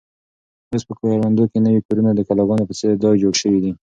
اوس په کروندو کې نوي کورونه د کلاګانو په ځای جوړ شوي دي.